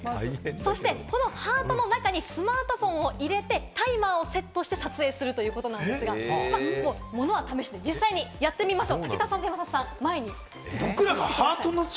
そして、このハートの中にスマートフォンを入れてタイマーをセットして撮影するということなんですが、物は試しで実際にやってみましょう。